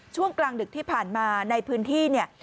ช่วงกลางดึกที่ผ่านมาในพื้นที่เนี่ย